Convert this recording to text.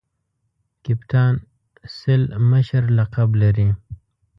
کپتان سل مشر لقب لري.